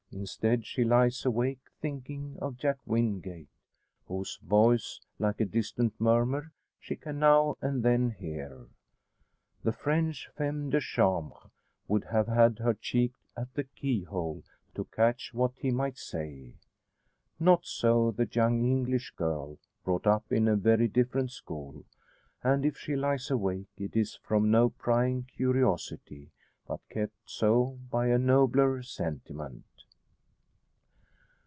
Instead she lies awake thinking of Jack Wingate, whose voice, like a distant murmur, she can now and then hear. The French femme de chambre would have had her cheek at the keyhole, to catch what he might say. Not so the young English girl, brought up in a very different school; and if she lies awake, it is from no prying curiosity, but kept so by a nobler sentiment.